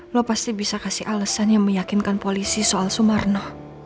lo pasti bisa kasih alesan yang meyakinkan polisi soal sumarno